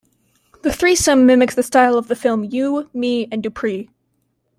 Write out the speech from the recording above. The threesome mimics the style of the film "You, Me and Dupree".